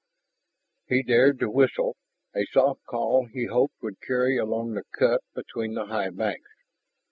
He dared to whistle, a soft call he hoped would carry along the cut between the high banks.